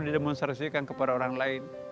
didemonstrasikan kepada orang lain